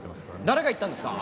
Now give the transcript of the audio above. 誰が言ったんですか？